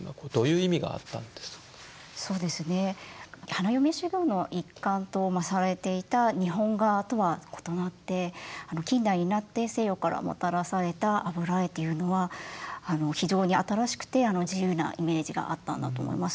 花嫁修業の一環とされていた日本画とは異なって近代になって西洋からもたらされた油絵というのは非常に新しくて自由なイメージがあったんだと思います。